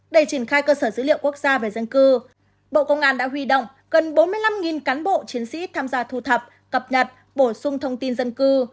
để triển khai cơ sở dữ liệu quốc gia về dân cư bộ công an đã huy động gần bốn mươi năm cán bộ chiến sĩ tham gia thu thập cập nhật bổ sung thông tin dân cư